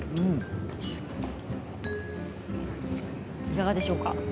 いかがでしょうか。